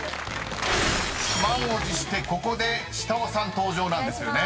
［満を持してここで下尾さん登場なんですよね］